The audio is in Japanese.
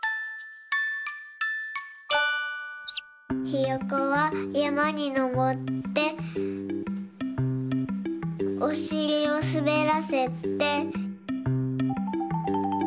ひよこはやまにのぼっておしりをすべらせて。